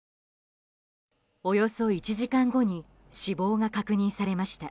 およそ１時間後に死亡が確認されました。